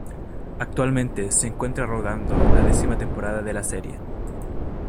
Actualmente se encuentra rodando la decima temporada de la serie.